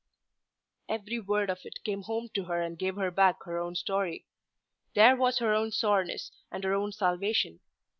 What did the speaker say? Every word of it came home to her and gave her back her own story. There was her own soreness, and her own salvation.